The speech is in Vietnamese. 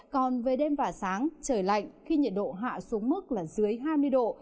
còn về đêm và sáng trời lạnh khi nhiệt độ hạ xuống mức là dưới hai mươi độ